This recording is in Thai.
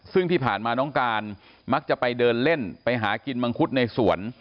ซึ่งที่ผ่านมาน้องการมักจะไปเดินเล่นไปหากินมังคุดในสวน